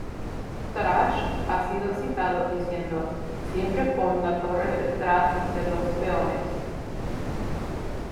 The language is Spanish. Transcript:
Tarrasch ha sido citado diciendo ""Siempre pon la torre detrás de los peones...